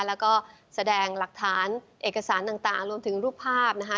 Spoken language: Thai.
แล้วก็แสดงหลักฐานเอกสารต่างรวมถึงรูปภาพนะคะ